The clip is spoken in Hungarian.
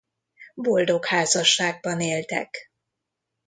Boldog házasságban éltek.